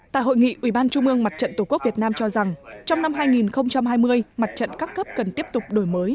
tại hội nghị ủy ban trung ương mặt trận tổ quốc việt nam cho rằng trong năm hai nghìn hai mươi mặt trận các cấp cần tiếp tục đổi mới